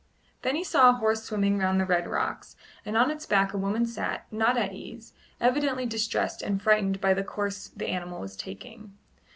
Then he saw a horse swimming round the red rocks, and on its back a woman sat, not at ease evidently distressed and frightened by the course the animal was taking.